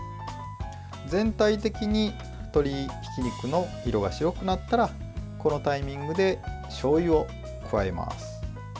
全体的に鶏ひき肉の色が白くなったらこのタイミングでしょうゆを加えます。